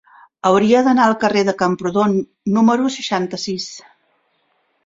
Hauria d'anar al carrer de Camprodon número seixanta-sis.